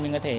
mình có thể